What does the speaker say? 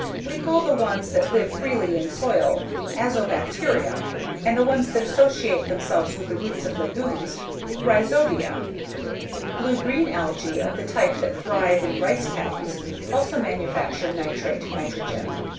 We call the ones that live freely in soil "azobacteria" and the ones that associate themselves with the roots of legumes "rhizobia." Blue green algae of the type that thrive in rice paddies also manufacture nitrate nitrogen.